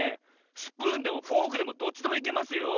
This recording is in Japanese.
スプーンでもフォークでもどっちでもいけますよ。